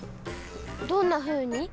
どんなふうに？